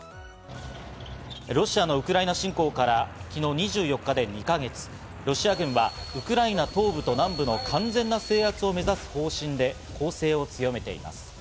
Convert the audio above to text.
ロシアのウクライナ侵攻から昨日２４日で２か月、ロシア軍はウクライナ東部と南部の完全な制圧を目指す方針で攻勢を強めています。